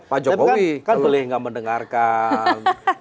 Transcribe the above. tapi kan boleh gak mendengarkan